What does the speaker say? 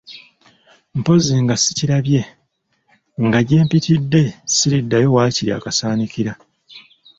Mpozzi nga ssikirabye, nga gye mpitidde ssirondayo waakiri akasaanikira!